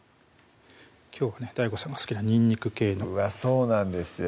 きょうはねＤＡＩＧＯさんが好きなにんにく系のそうなんですよ